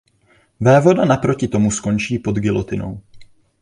Vévoda naproti tomu skončí pod gilotinou.